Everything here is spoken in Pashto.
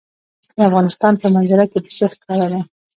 د افغانستان په منظره کې پسه ښکاره ده.